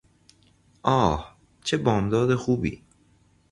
آه! چه بامداد خوبی!